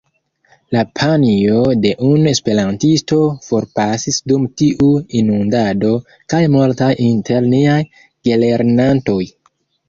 La panjo de unu esperantisto forpasis dum tiu inundado, kaj multaj inter niaj gelernantoj.